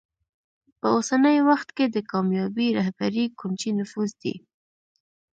په اوسني وخت کې د کامیابې رهبرۍ کونجي نفوذ دی.